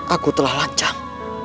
aku telah lancang